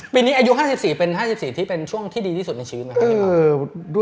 ปีนี้อายุ๕๔เป็นช่วงที่ดีที่สุดในชีวิตไหมครับ